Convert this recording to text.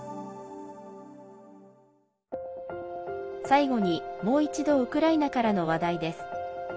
最後にもう一度ウクライナからの話題です。